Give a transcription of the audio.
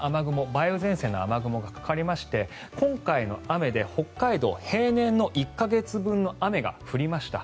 梅雨前線の雨雲がかかりまして今回の雨で北海道平年の１か月分の雨が降りました。